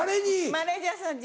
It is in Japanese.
マネジャーさんに。